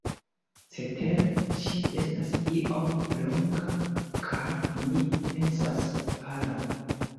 Cetere ĝi estas iom longa kaj, mi pensas, pala.